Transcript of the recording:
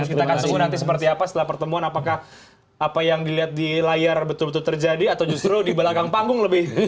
kita akan tunggu nanti seperti apa setelah pertemuan apakah apa yang dilihat di layar betul betul terjadi atau justru di belakang panggung lebih